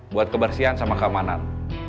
buat kebersihan sama keamanan